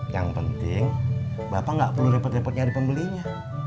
yang penting bapak nggak perlu repot repot nyari pembelinya